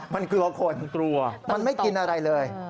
มันกลัวคนกลัวมันไม่กินอะไรเลย